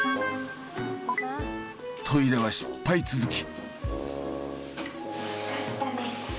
トイレは失敗続き。